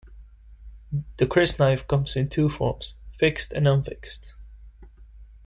The crysknife comes in two forms, fixed and unfixed.